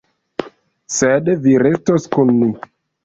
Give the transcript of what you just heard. Sed vi restos kun ni.